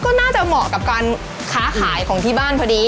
ก็น่าจะเหมาะกับการค้าขายของที่บ้านพอดี